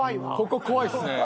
ここ怖いっすね。